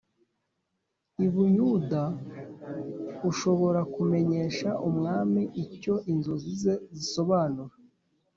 i Buyuda ushobora kumenyesha umwami icyo inzozi ze zisobanura